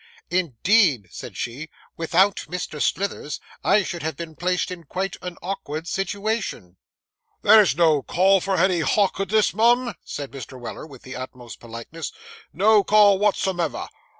'Indeed,' said she, 'without Mr. Slithers I should have been placed in quite an awkward situation.' 'There is no call for any hock'erdness, mum,' said Mr. Weller with the utmost politeness; 'no call wotsumever.